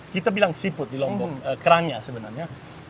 kita bilang siput di lombok kerangnya sebenarnya